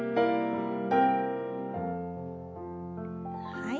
はい。